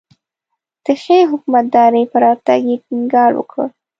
د ښې حکومتدارۍ پر راتګ یې ټینګار وکړ.